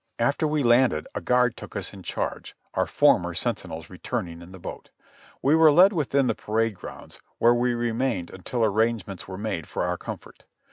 After we landed a guard took us in charge, our former sentinels returning in the boat. We were led within the par ade grounds, where we remained until arrangements were made for our comfort.